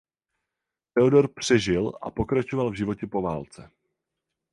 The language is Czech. Theodore přežil a pokračoval v životě po válce.